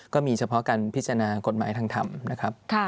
ก็มีเฉพาะการพิจารณากฎหมายทางธรรมนะครับ